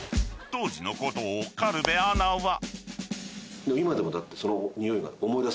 ［当時のことを軽部アナは］